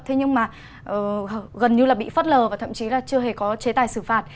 thế nhưng mà gần như là bị phớt lờ và thậm chí là chưa hề có chế tài xử phạt